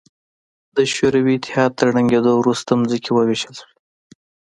د شوروي اتحاد تر ړنګېدو وروسته ځمکې ووېشل شوې.